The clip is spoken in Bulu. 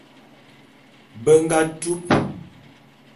Be nga tup.